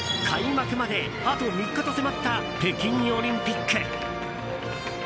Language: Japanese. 開幕まであと３日と迫った北京オリンピック。